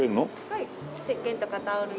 はい。